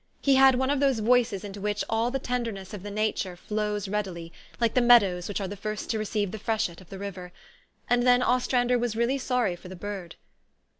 He had one of those voices into which all the tenderness of the nature flows readily, like the meadows which are the first to receive the freshet of the river. And then Ostrander was really sorry for the bird.